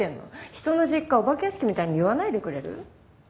人の実家をお化け屋敷みたいに言わないでくれる？